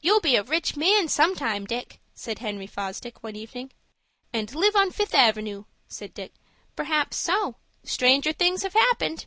"You'll be a rich man some time, Dick," said Henry Fosdick, one evening. "And live on Fifth Avenoo," said Dick. "Perhaps so. Stranger things have happened."